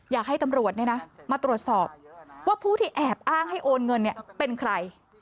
อยากให้ตำรวจมาตรวจสอบว่าผู้ที่แอบอ้างให้โอนเงินเป็นใคร